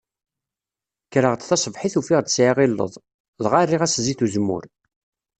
Kreɣ-d taṣebḥit ufiɣ-d sɛiɣ illeḍ, dɣa erriɣ-as zzit uzemmur.